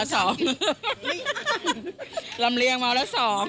เราเรียงมาละ๒